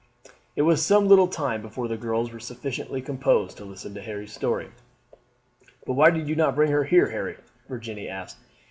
It was some little time before the girls were sufficiently composed to listen to Harry's story. "But why did you not bring her here, Harry?" Virginie asked.